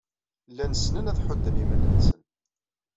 Llan ssnen ad ḥudden iman-nsen.